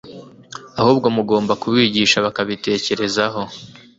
ahubwo mugomba kubigisha bakabitekerezaho